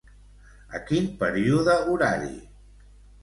A quin període horari?